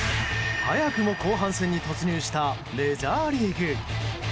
早くも後半戦に突入したメジャーリーグ。